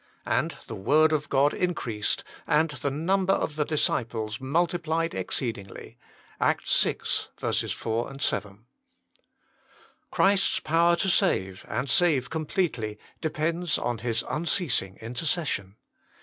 ... And the word of God increased ; and the number of the disciples multiplied exceedingly." ACTS vi. 4, 7. Christ s power to save, and save completely, depends on His unceasing intercession.